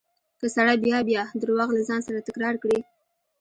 که سړی بيا بيا درواغ له ځان سره تکرار کړي.